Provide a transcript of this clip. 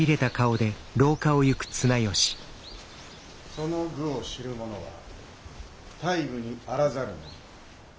・「其の愚を知る者は大愚にあらざるなり。